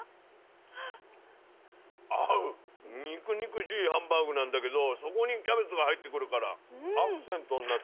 肉々しいハンバーグなんだけどそこにキャベツが入ってくるからアクセントになって。